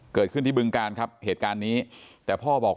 เกิดขึ้นที่บึงการครับเหตุการณ์นี้แต่พ่อบอก